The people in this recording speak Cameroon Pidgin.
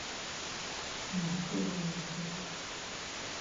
Na true wey you tok.